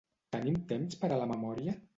Tenim temps per a la memòria?